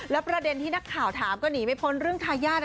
แล้วประเด็นที่นักข่าวถามก็หนีไม่พ้นเรื่องทายาท